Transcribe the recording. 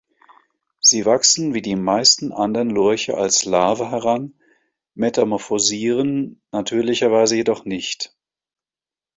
Sie wachsen wie die meisten anderen Lurche als Larve heran, metamorphosieren natürlicherweise jedoch nicht.